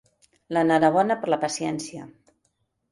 L'enhorabona per la paciència.